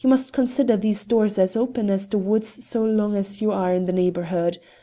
You must consider these doors as open as the woods so long as your are in this neighbourhood.